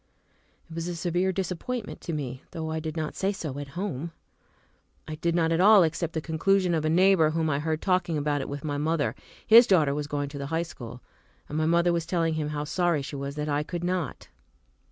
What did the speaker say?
It was a severe disappointment to me, though I did not say so at home. I did not at all accept the conclusion of a neighbor whom I heard talking about it with my mother. His daughter was going to the high school, and my mother was telling him how sorry she was that I could not.